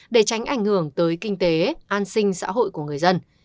để tránh ảnh hưởng tới kinh tế an sinh xã hội của người dân